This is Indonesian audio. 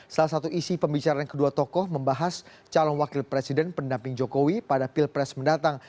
salah satu isi pembicaraan kedua tokoh membahas calon wakil presiden pendamping jokowi pada pilpres mendatang